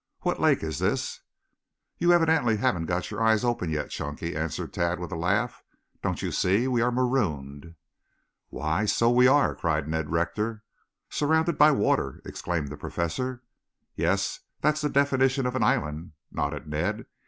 What lake is this?" "You evidently haven't got your eyes open yet, Chunky," answered Tad with a laugh. "Don't you see, we are marooned?" "Why, so we are," cried Ned Rector. "Surrounded by water?" exclaimed the Professor. "Yes, that's the definition of an island," nodded Ned.